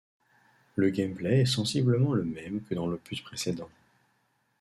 Le gameplay est sensiblement le même que dans l'opus précédent.